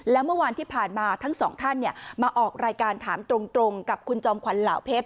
แล้วเมื่อวานที่ผ่านมาทั้งสองท่านมาออกรายการถามตรงกับคุณจอมขวัญเหล่าเพชร